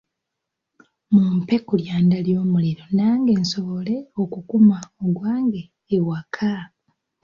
Mumpe ku lyanda ly'omuliro nange nsobole okukuma ogwange ewaka.